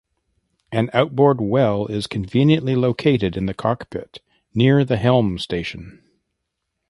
An outboard well is conveniently located in the cockpit near the helm station.